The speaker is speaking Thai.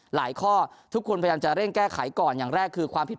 ข้อทุกคนพยายามจะเร่งแก้ไขก่อนอย่างแรกคือความผิด